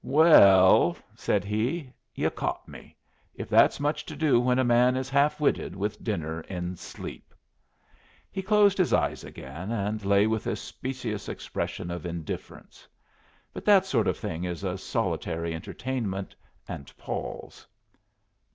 "Well," said he, "yu' caught me if that's much to do when a man is half witted with dinner and sleep." He closed his eyes again and lay with a specious expression of indifference. But that sort of thing is a solitary entertainment, and palls.